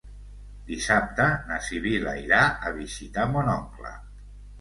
Dissabte na Sibil·la irà a visitar mon oncle.